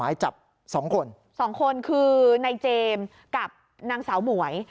นางเจมส์กับนางสาวหมวย